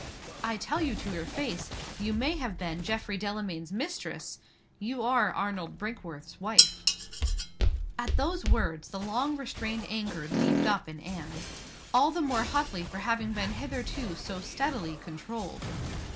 "I tell you to your face you may have been Geoffrey Delamayn's mistress; you are Arnold Brinkworth's wife." At those words the long restrained anger leaped up in Anne all the more hotly for having been hitherto so steadily controlled.